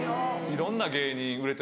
いろんな芸人売れ